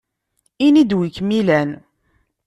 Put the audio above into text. Ini-d wi kem-ilan!